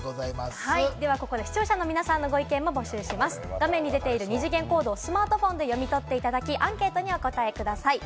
ここで視聴者の皆さんのご意見を募集します、画面に出ている二次元コードをスマートフォンで読み取っていただき、アンケートにお答えください。